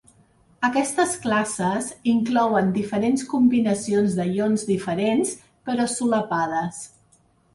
Aquestes classes inclouen diferents combinacions de ions diferents, però solapades.